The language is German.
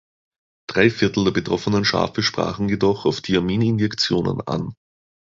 Drei Viertel der betroffenen Schafe sprachen jedoch auf Thiamininjektionen an.